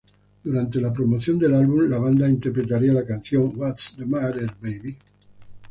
Durante la promoción del álbum, la banda interpretaría la canción "What's The Matter, Baby?